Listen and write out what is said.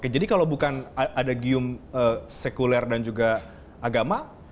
jadi kalau bukan ada gium sekuler dan juga agama apa